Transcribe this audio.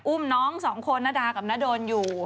อุ้มน้องสองคนนาดากับน้าโดนอยู่